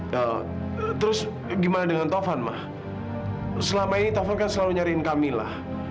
ya terus gimana dengan taufan ma selama ini taufan kan selalu nyariin kamila